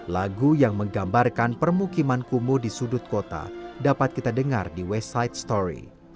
lagu yang menggambarkan permukiman kumuh di sudut kota dapat kita dengar di west side story